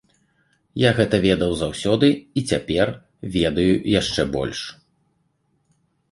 Я гэта ведаў заўсёды, і цяпер ведаю яшчэ больш.